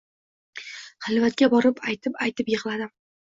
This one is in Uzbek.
Xilvatga borib aytib-aytib yig`ladim